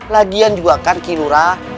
lagian juga kan kilurah